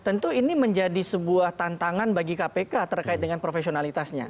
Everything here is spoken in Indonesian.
tentu ini menjadi sebuah tantangan bagi kpk terkait dengan profesionalitasnya